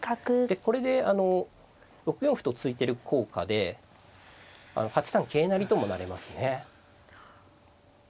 でこれで６四歩と突いてる効果で８三桂成とも成れますね。